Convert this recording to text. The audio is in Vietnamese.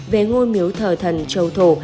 về ngôi miếu thờ thần châu thổ